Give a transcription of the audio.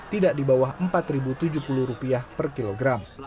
tidak di bawah rp empat tujuh puluh per kilogram